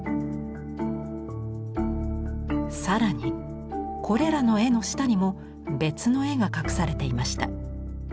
更にこれらの絵の下にも別の絵が隠されていました。